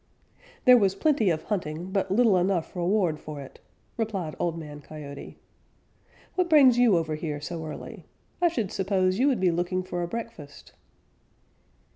"There was plenty of hunting, but little enough reward for it," replied Old Man Coyote. "What brings you over here so early? I should suppose you would be looking for a breakfast."